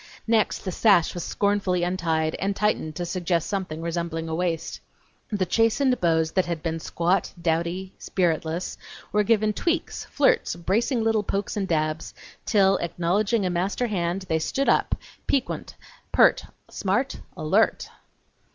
Next the sash was scornfully untied and tightened to suggest something resembling a waist. The chastened bows that had been squat, dowdy, spiritless, were given tweaks, flirts, bracing little pokes and dabs, till, acknowledging a master hand, they stood up, piquant, pert, smart, alert!